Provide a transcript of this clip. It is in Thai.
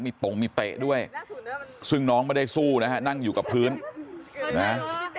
มีตรงมีเตะด้วยซึ่งน้องไม่ได้สู้นะฮะนั่งอยู่กับพื้นนะ